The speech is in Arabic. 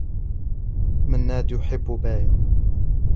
منّاد يحبّ باية.